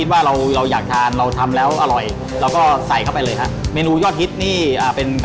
สวัสดีค่ะและนี่คือเอียร์ป๊อบค่ะ